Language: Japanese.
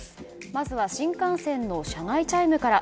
まずは新幹線の車内チャイムから。